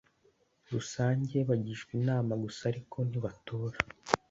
rusange bagishwa inama gusa ariko ntibatora